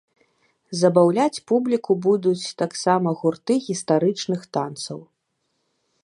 Забаўляць публіку будуць таксама гурты гістарычных танцаў.